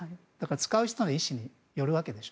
使う人の意思によるわけです。